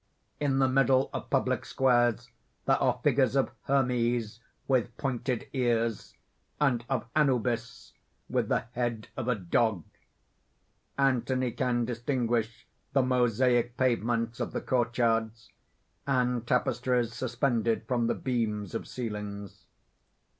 In the middle of public squares there are figures of Hermes with pointed ears, and of Anubis with the head of a dog. Anthony can distinguish the mosaic pavements of the courtyards, and tapestries suspended from the beams of ceilings.